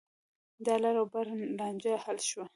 د لر او بر لانجه حل شوه.